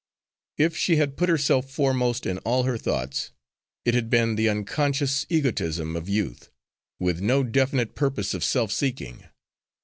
If she had put herself foremost in all her thoughts, it had been the unconscious egotism of youth, with no definite purpose of self seeking.